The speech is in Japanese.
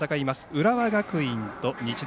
浦和学院と日大